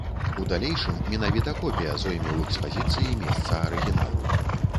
У далейшым менавіта копія зойме ў экспазіцыі месца арыгіналу.